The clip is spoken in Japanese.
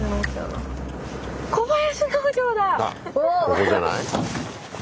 あっここじゃない？